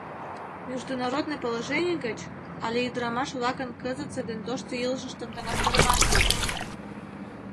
Международный положений гыч але ӱдырамаш-влакын кызытсе ден тошто илышыштым таҥастарымаш гыч?..»